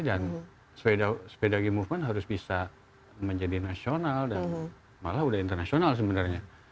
dan sepeda ge movement harus bisa menjadi nasional dan malah udah internasional sebenarnya